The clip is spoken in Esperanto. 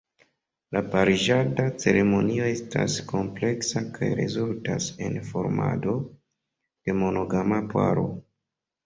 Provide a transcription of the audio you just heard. La pariĝada ceremonio estas kompleksa kaj rezultas en formado de monogama paro.